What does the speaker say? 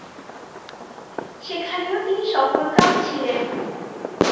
সেখানেও তিনি সফলকাম ছিলেন।